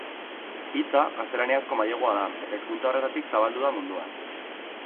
Hitza gaztelaniazko mailegua da eta hizkuntza horretatik zabaldu da munduan.